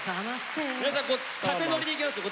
皆さん縦ノリでいきますよ